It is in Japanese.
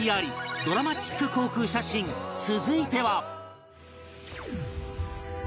ドラマチック航空写真続いては